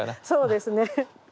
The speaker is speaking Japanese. そうですね